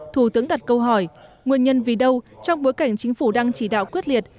thủ tướng đặt câu hỏi nguyên nhân vì đâu trong bối cảnh chính phủ đang chỉ đạo quyết liệt